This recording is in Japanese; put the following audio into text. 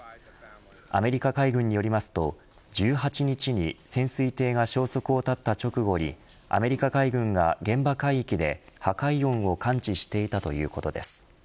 アメリカ海軍によりますと１８日に潜水艇が消息を絶った直後にアメリカ海軍が現場海域で破壊音を感知していたということです。